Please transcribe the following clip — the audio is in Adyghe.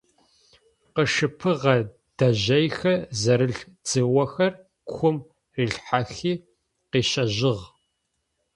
Къышыпыгъэ дэжъыехэр зэрылъ дзыохэр кум рилъхьэхи къыщэжьыгъ.